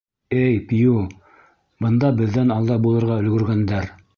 — Эй, Пью, бында беҙҙән алда булырға өлгөргәндәр!